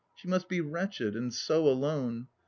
She must be wretched, and so alone.